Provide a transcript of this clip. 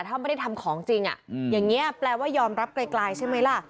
ถ้าไม่ได้ทำของจริงอย่างนี้แปลว่ายอมรับไกลใช่ไหมล่ะ